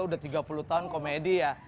udah tiga puluh tahun komedi ya